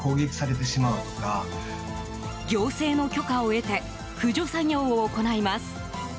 行政の許可を得て駆除作業を行います。